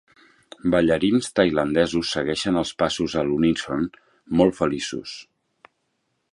Ballarins tailandesos segueixen els passos a l'uníson molt feliços.